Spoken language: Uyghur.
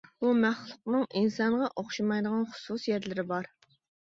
بۇ مەخلۇقنىڭ ئىنسانغا ئوخشىمايدىغان خۇسۇسىيەتلىرى بار.